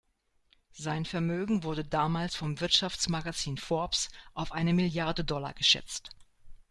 Sein Vermögen wurde damals vom Wirtschaftsmagazin Forbes auf eine Milliarde Dollar geschätzt.